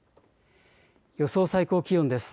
予想最高気温です。